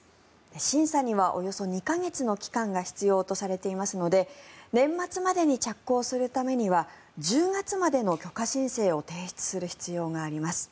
審査にはおよそ２か月の期間が必要とされていますので年末までに着工するためには１０月までの許可申請を提出する必要があります。